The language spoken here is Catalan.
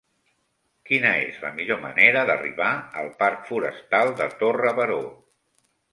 Quina és la millor manera d'arribar al parc Forestal de Torre Baró?